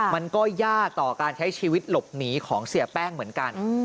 มันก็ยากต่อการใช้ชีวิตหลบหนีของเสียแป้งเหมือนกัน